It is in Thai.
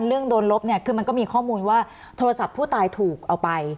เรื่องโดนลบเนี่ยคือมันก็มีข้อมูลว่าโทรศัพท์ผู้ตายถูกเอาไป